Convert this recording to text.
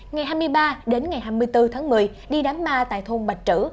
ngày hai mươi ba đến ngày hai mươi bốn tháng một mươi đi đám ma tại thôn bạch trữ